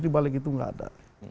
dibalik itu nggak ada